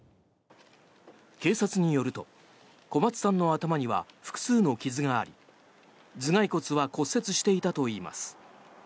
警察によると小松さんの頭には複数の傷があり頭がい骨は骨折していたといいます。